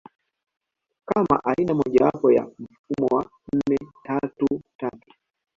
kama aina mojawapo ya mfumo wa nne tatu tatu